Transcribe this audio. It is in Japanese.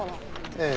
ええ。